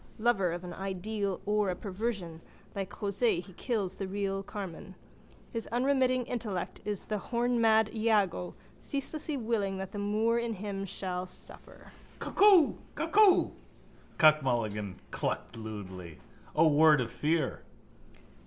Lover of an ideal or a perversion, like José he kills the real Carmen. His unremitting intellect is the hornmad Iago ceaselessly willing that the moor in him shall suffer. —Cuckoo! Cuckoo! Cuck Mulligan clucked lewdly. O word of fear!